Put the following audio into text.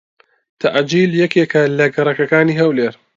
تەعجیل یەکێکە لە گەڕەکەکانی هەولێر.